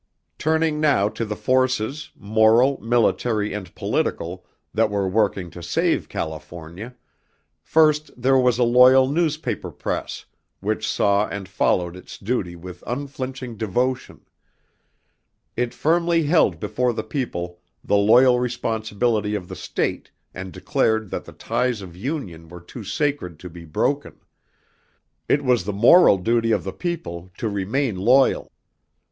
Turning now to the forces, moral, military, and political, that were working to save California first there was a loyal newspaper press, which saw and followed its duty with unflinching devotion. It firmly held before the people the loyal responsibility of the state and declared that the ties of union were too sacred to be broken. It was the moral duty of the people to remain loyal.